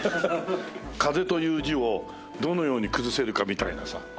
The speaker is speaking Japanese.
風という字をどのように崩せるかみたいなさ。